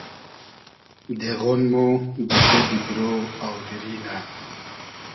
دېغۉن مۉ بئلدې دیگرۉ آو دیری نۂ